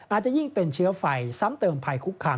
อาจจะยิ่งเป็นเชื้อไฟซ้ำเติมภัยคุกคาม